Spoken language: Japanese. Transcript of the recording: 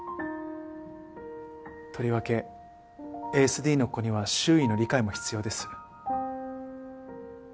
とりわけＡＳＤの子には周囲の理解も必要です。